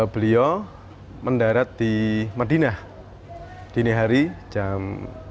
beliau mendarat di madinah dini hari jam satu